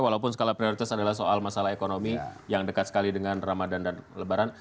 walaupun skala prioritas adalah soal masalah ekonomi yang dekat sekali dengan ramadan dan lebaran